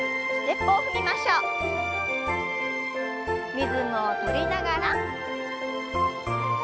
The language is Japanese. リズムを取りながら。